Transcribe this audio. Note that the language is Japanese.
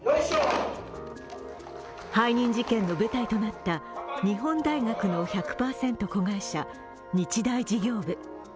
背任事件の舞台となった日本大学の１００％子会社、日大事業部。